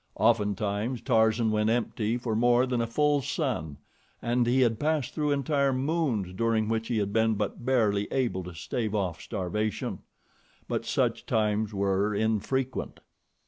Oftentimes Tarzan went empty for more than a full sun, and he had passed through entire moons during which he had been but barely able to stave off starvation; but such times were infrequent.